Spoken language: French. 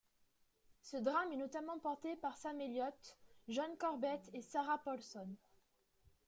Ce drame est notamment porté par Sam Elliott, John Corbett et Sarah Paulson.